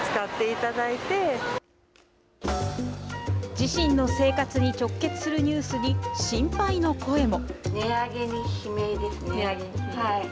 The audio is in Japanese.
自身の生活に直結するニュースに、心配の声も。